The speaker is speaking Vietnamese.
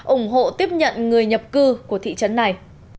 ủng hộ tiếp nhận người nhập cư của thị trấn này